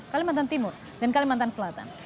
kalimantan timur dan kalimantan selatan